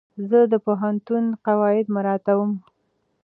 زه د پوهنتون قواعد مراعتوم.